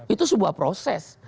itu sebuah proses